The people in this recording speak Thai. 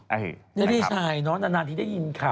อ๋อเหรอได้ได้ใช่เนอะนานที่ได้ยินข่าว